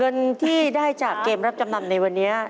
เงินที่ได้จากเกมรับจำนำในวันนี้